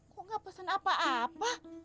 kok enggak pesan apa apa